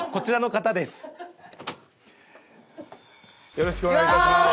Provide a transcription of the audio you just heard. よろしくお願いします。